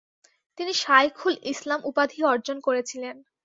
তিনি 'শায়খুল ইসলাম' উপাধি অর্জন করেছিলেন ।